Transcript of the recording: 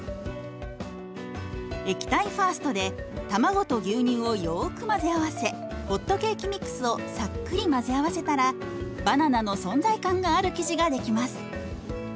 「液体ファースト」で卵と牛乳をよく混ぜ合わせホットケーキミックスをさっくり混ぜ合わせたらバナナの存在感がある生地が出来ます。